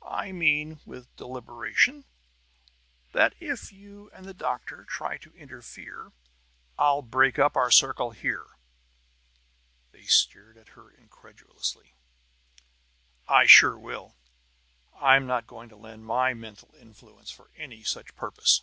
"I mean," with deliberation, "that if you and the doctor try to interfere I'll break up our circle here!" They stared at her incredulously. "I sure will! I'm not going to lend my mental influence for any such purpose!"